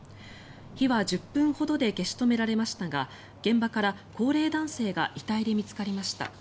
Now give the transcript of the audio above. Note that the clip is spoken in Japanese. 火は１０分ほどで消し止められましたが現場から高齢男性が遺体で見つかりました。